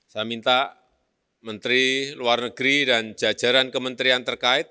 saya minta menteri luar negeri dan jajaran kementerian terkait